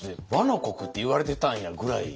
倭の国って言われてたんやぐらい。